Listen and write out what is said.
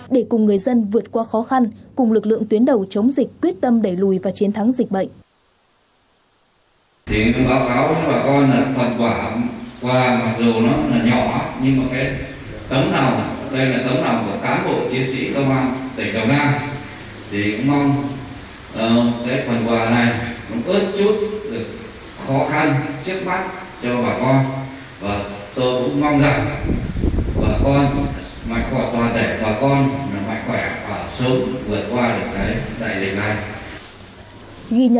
để cùng người dân vượt qua khó khăn cùng lực lượng tuyến đầu chống dịch quyết tâm đẩy lùi và chiến thắng dịch bệnh